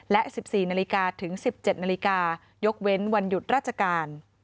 และ๑๔นถึง๑๗นยกเว้นวันหยุดราชการ